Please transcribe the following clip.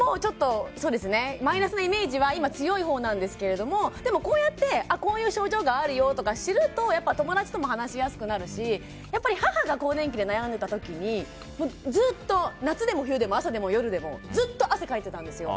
マイナスのイメージは強いほうなんですけどでもこうやって、こういう症状があるよっていうのを知ると友達とも話しやすくなるし母が更年期で悩んでいた時にずっと夏でも冬でも朝でも夜でもずっと汗をかいてたんですよ。